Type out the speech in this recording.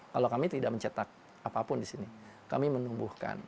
kalau kami tidak mencetak apapun di sini kami menumbuhkan